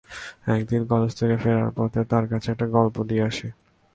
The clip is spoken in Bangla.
একদিন কলেজ থেকে ফেরার পথে তাঁর কাছে একটা গল্প দিয়ে আসি।